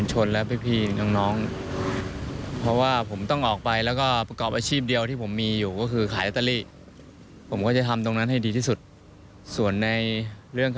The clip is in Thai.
ให้นอนสบายใจสักคืนนึง